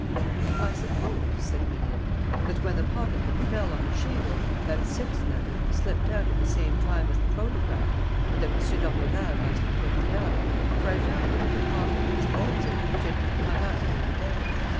"I suppose," said Rénine, "that, when the pocket book fell on the shingle, that sixth letter slipped out at the same time as the photograph and that M. d'Ormeval must have picked it up, for I found it in the pocket of his blazer, which had been hung up near the bed.